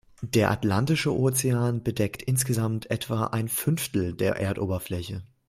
Der Atlantische Ozean bedeckt insgesamt etwa ein Fünftel der Erdoberfläche.